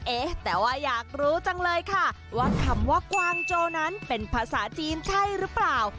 เอ๊ะแต่ว่าอยากรู้จังเลยค่ะว่าคำว่ากวางโจนั้นเป็นภาษาจีนใช่หรือเปล่า